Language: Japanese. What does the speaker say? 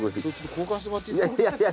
交換してもらっていいですか？